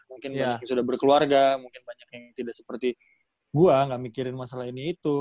mungkin sudah berkeluarga mungkin banyak yang tidak seperti gua nggak mikirin masalah ini itu